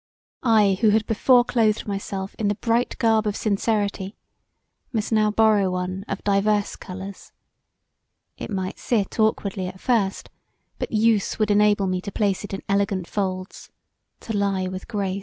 I who had before clothed myself in the bright garb of sincerity must now borrow one of divers colours: it might sit awkwardly at first, but use would enable me to place it in elegant folds, to lie with grace.